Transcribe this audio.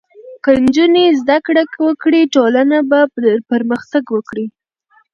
که نجونې زدهکړه وکړي، ټولنه به پرمختګ وکړي.